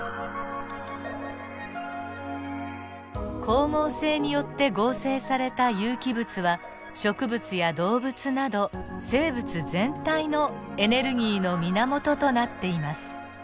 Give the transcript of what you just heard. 光合成によって合成された有機物は植物や動物など生物全体のエネルギーの源となっています。